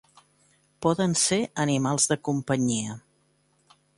Poden ser animals de companyia.